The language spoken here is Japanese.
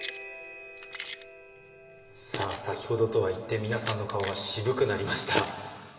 さあ先ほどとは一転皆さんの顔が渋くなりました。